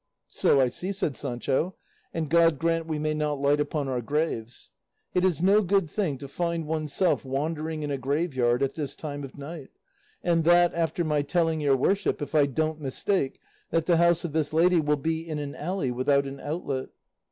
"So I see," said Sancho, "and God grant we may not light upon our graves; it is no good sign to find oneself wandering in a graveyard at this time of night; and that, after my telling your worship, if I don't mistake, that the house of this lady will be in an alley without an outlet."